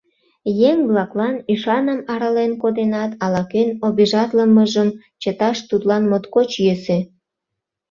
Еҥ-влаклан ӱшаным арален коденат, ала-кӧн обижатлымыжым чыташ тудлан моткоч йӧсӧ.